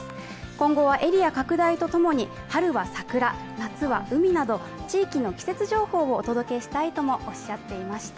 今後はエリア拡大とともに春は桜、夏は海など、地域の季節情報をお届けしたいともおっしゃっていました。